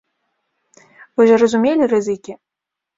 Вы ж разумелі рызыкі.